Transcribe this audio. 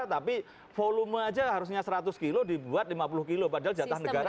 tapi volume aja harusnya seratus kilo dibuat lima puluh kilo padahal jatah negara